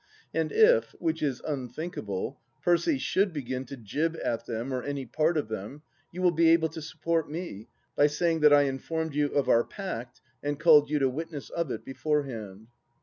And if, which is unthinkable, Percy should begin to jib at them or any part of them, you will be able to support me by saying that I informed you of our pact and called you to witness of it beforehand.